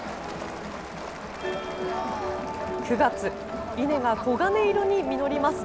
９月、稲が黄金色に実ります。